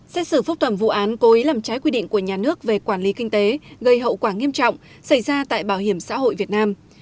xét xử phúc tỏm vụ án cố ý làm trái quy định của nhà nước về quản lý kinh tế gây hậu quả nghiêm trọng xảy ra tại bảo hiểm xã hội việt nam